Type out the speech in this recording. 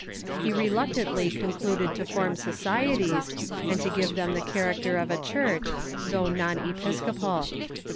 He reluctantly concluded to form societies, and to give them the character of a church, though non episcopal.